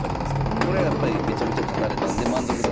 これやっぱりめちゃめちゃ勝たれたんで満足度が上がってきたという。